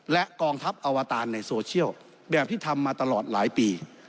และกองทัพอวตารในโซเชียลแบบที่ทำมาตลอดหลายปี